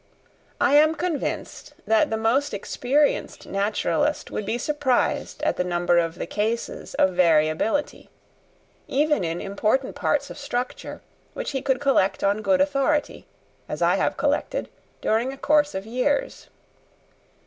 I am convinced that the most experienced naturalist would be surprised at the number of the cases of variability, even in important parts of structure, which he could collect on good authority, as I have collected, during a course of years.